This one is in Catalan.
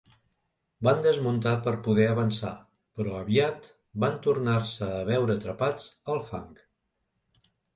Van desmuntar per poder avançar, però aviat van tornar-se a veure atrapats al fang.